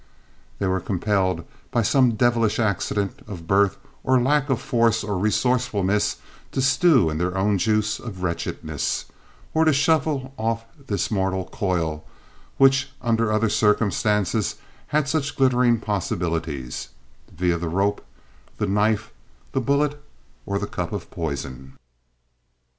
They were compelled by some devilish accident of birth or lack of force or resourcefulness to stew in their own juice of wretchedness, or to shuffle off this mortal coil—which under other circumstances had such glittering possibilities—via the rope, the knife, the bullet, or the cup of poison.